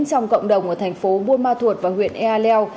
trong cộng đồng ở thành phố buôn ma thuột và huyện ea leo